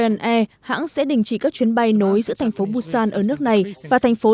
unr hãng sẽ đình chỉ các chuyến bay nối giữa thành phố busan ở nước này và thành phố